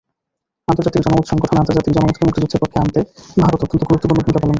আন্তর্জাতিক জনমত সংগঠনআন্তর্জাতিক জনমতকে মুক্তিযুদ্ধের পক্ষে আনতে ভারত অত্যন্ত গুরুত্বপূর্ণ ভূমিকা পালন করে।